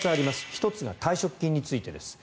１つが退職金についてです。